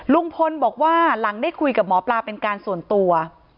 ลุงพลบอกว่าหลังได้คุยกับหมอปลาเป็นการส่วนตัว